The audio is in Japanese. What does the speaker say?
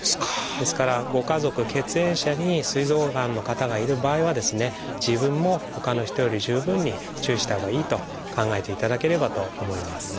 ですからご家族血縁者にすい臓がんの方がいる場合は自分もほかの人より十分に注意したほうがいいと考えていただければと思います。